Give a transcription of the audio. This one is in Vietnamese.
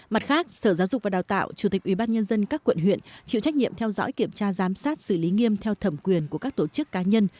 mặt khác sở giáo dục và đào tạo chủ tịch ubnd các quận huyện chịu trách nhiệm theo dõi kiểm tra giám sát xử lý nghiêm theo thẩm quyền của các tổ chức cá nhân